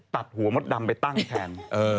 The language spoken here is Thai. ตัดหัวมดดำไปตั้งแทน